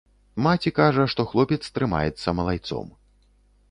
Маці кажа, што хлопец трымаецца малайцом.